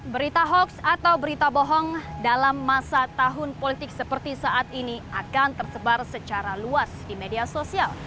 berita hoax atau berita bohong dalam masa tahun politik seperti saat ini akan tersebar secara luas di media sosial